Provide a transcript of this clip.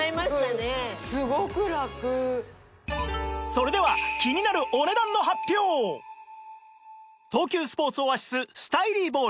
それでは東急スポーツオアシススタイリーボール